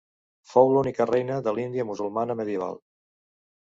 Fou l'única reina de l'Índia musulmana medieval.